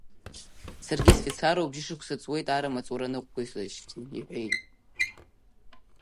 Саргьы сфицаруп, бжьышықәса ҵуеит арра-маҵура ныҟәзгоижьҭеи, — иҳәеит.